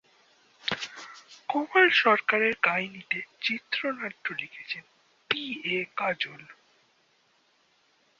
কমল সরকারের কাহিনীতে চিত্রনাট্য লিখেছেন পি এ কাজল।